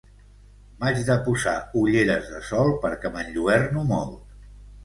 M'haig de posar ulleres de sol perquè m'enlluerno molt